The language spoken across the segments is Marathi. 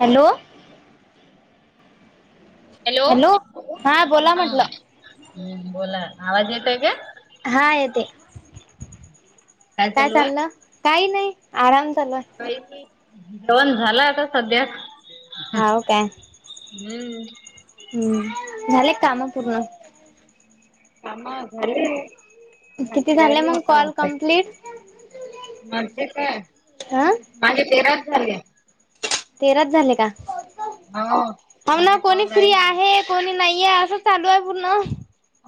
हॅलो. हॅलो हॅलो हा बोला हा म्हटलं बोला आवाज येतोय का? हा येते काय चालू आहे चाललं काही नाही आराम चालू हायं. कायी नाही जेवण झालं आता सध्या हं. हाव काय हम्म. हम्म झाले काम पूर्ण कामा [unintelligible] किती नर झाले मग मता कॉल कम्प्लीट म का हा [unintelligible] माझे तेराच झाले. तेराच झाले का हो ना कोणी फ्री आहेत. कोणी नाहीे आहे असं चालू आहे पूर्ण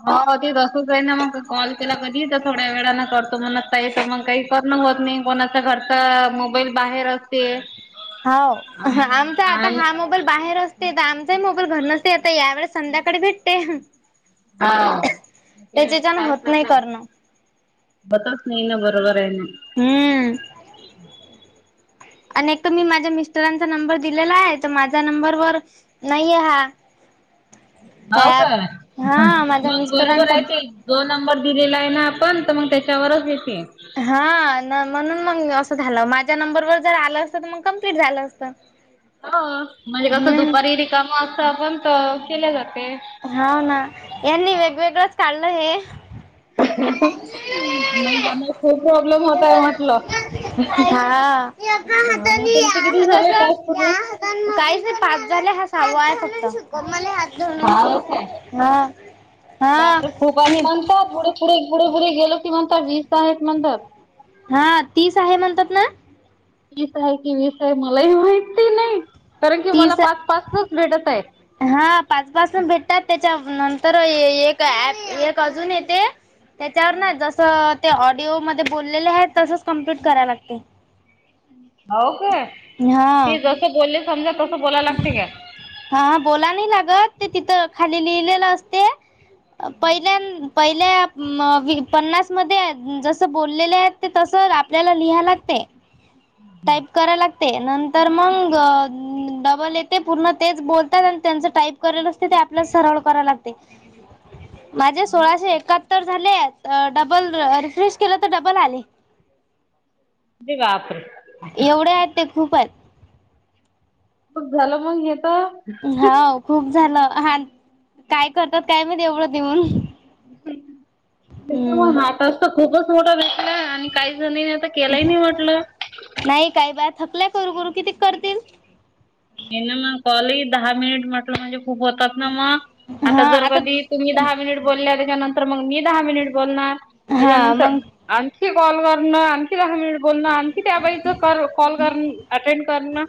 हो ते तसंच आहे ना मग कॉल केला कधी तर थोड्या वेळां करतो म्हणत आता काहीच नाही. करण होत नाही कोणाचा घरचा मोबाईल बाहेर अस हाव आमचा आता हा मो मोबाईल बाहेर असते तर आमचाही मोबाईल घरी नसते या वेळेस संध्याकाळी भेटते [unintelligible] त्याच्याच्यान होत होतच नाही करणं नाही ना बरोबर आहे ना हम्म आणि एक तर मी माझ्या मिस्टरांचा नंबर दिलेला आहे तर माझ्या नंबरवर नाही आहे हा हाव का ॲप हा माझ्या मग बरोबर मिस्टरांचा आहे ते जो नंबर दिलेला आहे ना आपण तर मग त्याच्यावरच येते हा म्हणून मग असं झालं माझ्या नंबरवर जर आलं असतं तर मग कम्प्लीट झालं असतं [inaudible] हो म्हणजे कसं दुपारी हम्म रिकाम असतो आपण तर केले जाते हाव ना ह्यांनी वेगवेगळंच काढलं हे नाही यान खूप प्रॉब्लेम होतय म्हटलं हा हे तुमचे किती कस झाले टास्क पूर्ण? काहीच नाही पाच झाले हा सहावा आहे फक्त हा काय हा हा बापरे खूप आत मी म्हणतात थोड पुढे, पुढे, पुुढे गेलो की वीस आहेत म्हणतात हा तीस आहे म्हणतात ना तीस आहे की वीस आहे मलाही माहिती नाही कारण की मला तीस पाच, पाचच भेटत आहे हा पाच पाासून भेटतात त्याच्या नंतर एक ए अजून येते त्याच्यावर ना जसं ते ऑडिओमध्ये बोललेले आहेत तसच कम्प्लीट करायला लागते हो का हा ती जसं बोलली समजा तसं बोलायला लागते काय हा बोलायला नाही लागत ते तिथं खाली लिहिलेलं असते पहिल्या पहिल्या पन्नासमध्ये जसं बोललेले आहेत ते तसं आपल्याला लिहाय लागते टाईप करायला लागतंय नंतर मग तेच पूर्ण बोलतात आणि त्यांच टाईप करल असते ते आपल्या सरळ करायला लागते माझे हो सोळाशे काय? एकाहत्तर झाले डबल रिफ्रेश केलं तर डबल आले अरे बापरे एवढं आहेत ते खूप आहेत खूप झालं मग हेत हा खूप झालं ह काय करतात काय माहित एवढं देऊन हम्म हा टास्क तर खूपच मोठा दिसला आणि काही जणांनी तर केलाही नाही वाटलं नाही काही बाया थकल्या करू, करू किती करतील यांना मग कॉल दहा मिनिट म्हटलं म्हणजे खूप होतात ना मग आता जर कधी तुम्ही दहा मिनिट बोलल्या त्याच्यानंतर मग मी दहा मिनिट बोलणार हा त्याच्यानंतर मग आणखी कॉल करणं आणखी दहा मिनिट बोलणं आणखी त्या बाईच कर कॉल कर अटेंड कर ना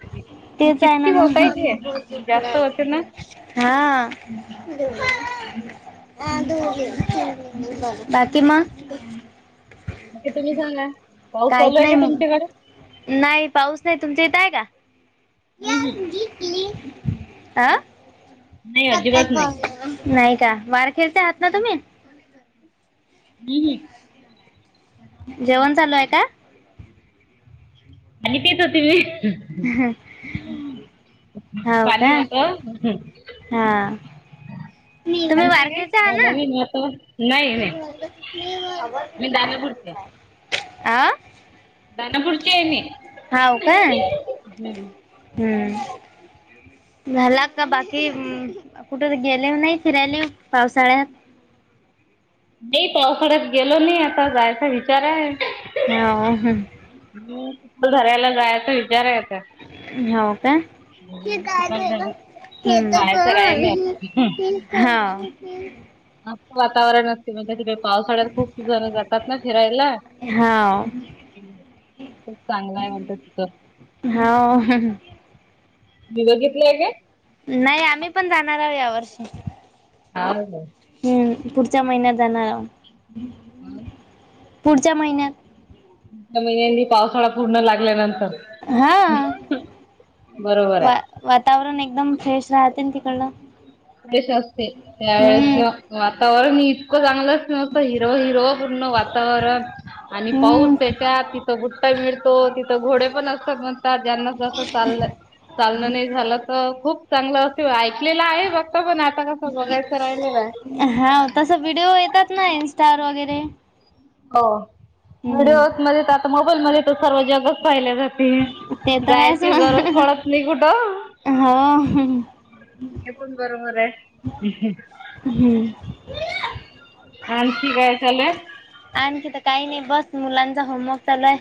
तेच आहे ना मग जास्त होते ना. हा बाकी मग बाकी तुम्ही सांगा काहीच नाही मग नाही पाऊस नाही तुमच्या इथ आहे का हम्म हम्म आं नाही अजिबात नाही नाही का वारखेड चे आहात ना तुम्ही हह जेवण चालू आहे का पाणी पित होती मी हो पाणी का होत हम्म. हा [inaudible] तुम्ही बारक्याचा हा ना. नवीन होत नाही नाही मी दानापूरचे अ. दानापूर ची आहे मी हाव का हम्म. हम्म. झाला का बाकी कुठे गेले नाही फिरायले पावसाळ्यात. नाही पावसाळ्यात गेलो नाही आता जायचा विचार आहे. हो आणि चलधरायला जायच विचारये. हाव का. चिखलदऱ्या [unintelligible] पाहायचं राहिलं. हम्म ह. मस्त वातावरण असते म्हणजे तिकडे पावसाळ्यात खूप जण जातात ना फिरायला. हाव हम्म खूप चांगला आहे म्हणतात तिथं. हाव मी बघितले घे. नाही आम्ही पण जाणार आहो या वर्षी. हा. [unintelligible] हम्म पुढच्या महिन्यात जाणार आहो. आन. पुढच्या महिन्यात च्या महिन्यांनी पावसाळा पूर्ण लागल्यानंतर. हा बरोबर वा आहे. वातावरण एकदम फ्रेश राहतेन तिकडलं. फ्रेश असते हम्म त्यावेळेच वातावरण इतकं चांगलं नसतं हिरवं हिरवं पूर्ण वातावरण आणि पाऊस हम्म त्याच्यात तिथं गु का मिळतो तिथं घोडे पण असतात म आता ज्यांना जसं चाल चालण नाही झालं तर खूप चांगलं अस ऐकलेलं आहे बघ. पण आता कसं बघायचं राहिलेलये. अस व्हिडिओ येतात ना इन्स्टावर वगैरे. हो हम्म व्हिडिओमध्ये तर आता मोबाईलमध्ये तर सर्व जगच पाहिले जात. ते ते तर आहेच जायची गरज मग पडत नाही कुठं. हो हे पण बरोबर आहे. हम्म आणखी काय चालू ये. आणखी तर काही नाही बस मुलांचा होमवर्क चालू आहे.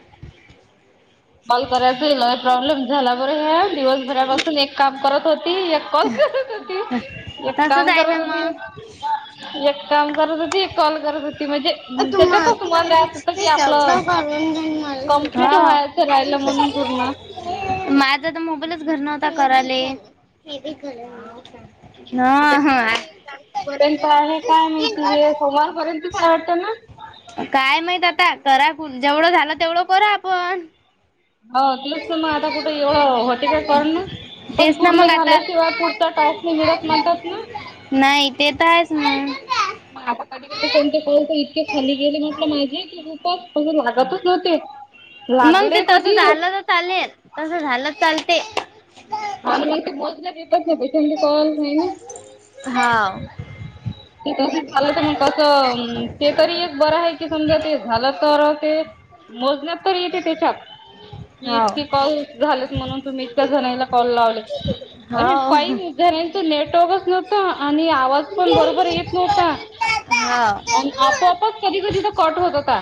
कॉल करायचा लय प्रॉब्लेम झाला बर हे. दिवसभरापासून एक काम करत होती एक कॉल करत होती. एक तसच काम आहे करत ना होती मग एक काम करत होती एक कॉल करत होती म्हणजे त्याच्यात सुमान राहत होत की आपलं कमप्लीट व्हाय राहिल म्हणून पूर्ण. माझात मोबाईलच घरी नव्हता कराले. ना हा. पर्यंत आहे काय माहिती हे सोमवारपर्यंतच आहे वाटतं ना. काय माहीत आता कऱ्या पुण जेवढं झालं तेवढं करु आपण. हो तुलाच तर मग आता कुठे एवढं होते काय कर ना. पण तेच ना पूर्ण मग आता झाल्याशिवाय पुढता टास्क नाही मिळत म्हणतात ना. नाही तेेत आहेच मग. मग आता कधी कोणते इतके खाली गेले म्हटलं माझे की रूपच लागतच नव्हते. मग ते लागले तसं कधी. झालं तर चालेल तसं झालं चालते. आणि म ते. [unintelligible] [unintelligible] कॉल नाही ना. हा.. व.. ते झालं तर मग कसं ते तरी, एक बर आहे. कि समजा ते झालं. तर ते मोजण्यात तर येते, त्यांच्यात की हाव इतकी कॉल झालेत. म्हणून तुम्ही इतक्या जणाईला कॉल लावले. अरे हाव पाई उदारण तर नेटवर्कच नव्हतं. आणि आवाज पण बरं येत नव्हता. हाव आपोआपच कधी कधी तर कट होत होता.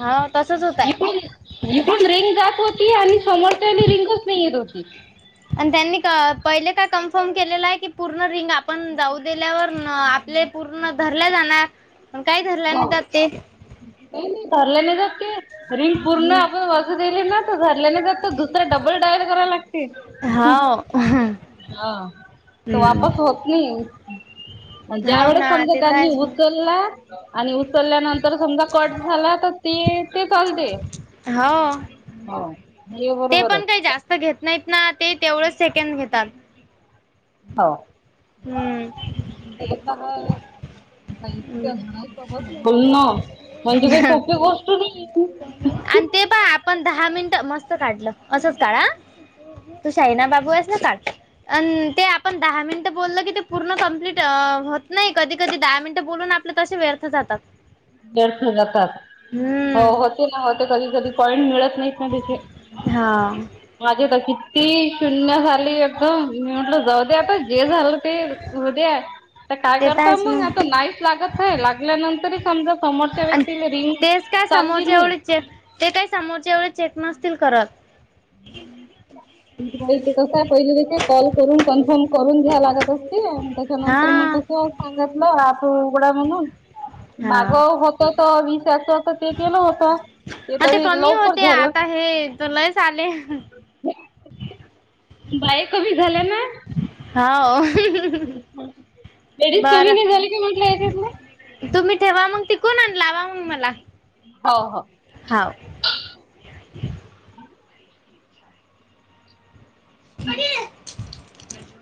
हां. तसच होतय. म्ह पण रिंग जात होती. आणि समोरचा रिंगच नाही येत होती. आणि त्यांनी पहिले काय कन्फर्म केलेलं आहे, की पूर्ण रिंग आपण जाऊ दिल्यावर आपले. पूर्ण धरल्या जाणार, काय धरल नाहीे भाऊ त्यात ते. नाही नाही, धरला नाही जात ते. रिंग पूर्ण आपण वाजू दिली ना, तर दरल्याने तर दुसऱ डबल डायल करायला लागते. हाव.. हा. तवापस हम्म. होत नाही. ज्या हाव वेळेस ना समजा ते तर त्यांनी आहेच ना उचला, आणि उचलल्यानंतर समजा. कट झाला तर ते, ते चालते. हां.. हो. हे बरोबर आहेच. तसं घेत नाहीत ना, ते तेवढंच सेकंड घेतात. हो हम्म [unintelligible] काही इतक्या जणानं सोबत बोल न, काही सोपी गोष्ट नाही. आणि ते पहा आपण दहा मिनिट. मस्त काढलं असंच काढ हं. तू शाहिना बाबू आहेस. ना काड. अ ते आपण दहा मिनटं बोललं की ते, पूर्ण कंप्लीट होत नाही. कधी कधी दहा मिनटं बोलून आप आपले कसे व्यर्थ जातात. व्यर्थ जातात हो, हम्म होते ना होते कधी कधी पॉइंट मिळत नाहीत ना त्यांचे. हां. माझी तर किती शून्य झाली. एकदम मी म्हटलं. जाऊ दे आता जे झालं ते. होवू दया, तर काय करता मग आता नाहींच लागत ये लागल्यानंतर, समजा समोरच्या आणि व्यक्ती रिंग तेच काय चालली समोरच्या नाही. एवढे चेक ते काही समोरचे एवढे चेक नसतील करत. [inaudible] माहिती कसं आहे, पहिल तिथं कॉल करून कन्फर्म. करून घ्या लागत असते. हा त्याच्यानंतर मग तसं सांगितलं. आप उघडा म्हणून, माग हा होत तर वीस असं ते केलं होत. ते तरी लवकर झालं. हं हे तु लयच आले. बाय कमी झालं ना. हो लेडीज कमी बरं नाही झाली का म्हटलं हे चाललं. तुम्ही ठेवा मग तिकून, आण लावा मग मला. हो. हो. हाव. [unintelligible]